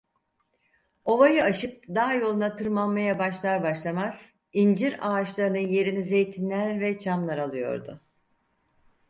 Ovayı aşıp dağ yoluna tırmanmaya başlar başlamaz, incir ağaçlarının yerini zeytinler ve çamlar alıyordu.